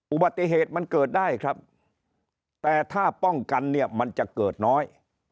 อุบัติเหตุมันเกิดได้ครับแต่ถ้าป้องกันเนี่ยมันจะเกิดน้อย